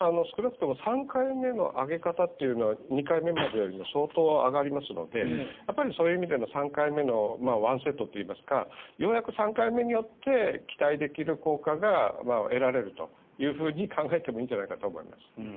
少なくとも３回目の上げ方というのは２回目よりも相当上がりますのでそういう意味での３回目の１セットといいますかようやく３回目によって期待できる効果が得られるというふうに考えてもいいんじゃないかと思います。